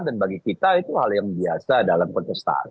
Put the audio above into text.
dan bagi kita itu hal yang biasa dalam pertestaan